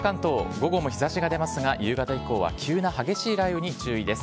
午後も日ざしが出ますが、夕方以降は急な激しい雷雨に注意です。